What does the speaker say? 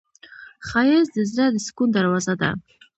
ښایست د زړه د سکون دروازه ده